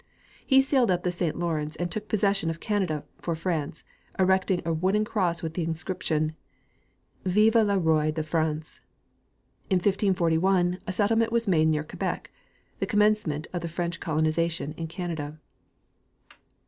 He sailed up the Saint Lawrence and took possession of Canada for France, erecting a wooden cross with the inscrip tion, "Fiye ^e 72o7/ rfe i^iYmce." In 1541 a settlement was made near Quebec, the commencement of the French colonization in Canada.